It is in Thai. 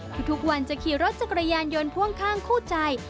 ทุกวันจะขี่รถจักรยานยนต์พ่วงข้างคู่ใจ